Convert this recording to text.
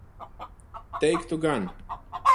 Teiktu gan.